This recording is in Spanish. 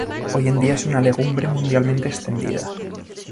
Hoy en día es una legumbre mundialmente extendida.